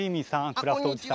クラフトおじさん。